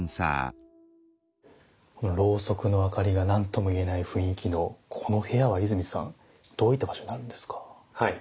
ろうそくの明かりが何とも言えない雰囲気のこの部屋は伊住さんどういった場所なんですか？